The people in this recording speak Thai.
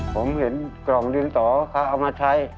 ผมเห็นกล่องดินต่อเขาเอามาใช้